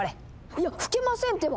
いや吹けませんってば！